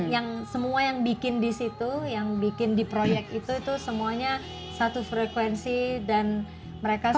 yang semua yang bikin di situ yang bikin di proyek itu itu semuanya satu frekuensi dan mereka semua